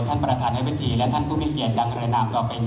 ถือว่าชีวิตที่ผ่านมายังมีความเสียหายแก่ตนและผู้อื่น